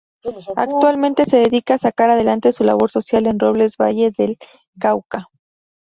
Actualmente se dedica a sacar adelante su labor social en Robles Valle del Cauca.